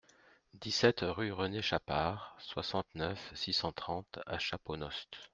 dix-sept rue René Chapard, soixante-neuf, six cent trente à Chaponost